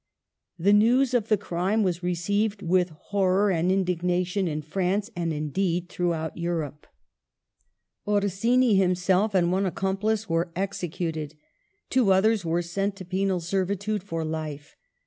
The news of the crime was received with hori'or and indignation in France, and indeed throughout Europe. Orsini himself and one accomplice were executed ; two othei s were sent to penal servitude for life.